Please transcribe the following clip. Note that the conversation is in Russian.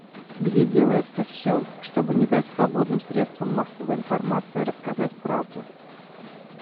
Где делается все, чтобы не дать свободным средствам массовой информации рассказать правду.